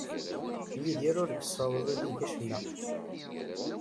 Yidir ur yessaweḍ ad yeg acemma.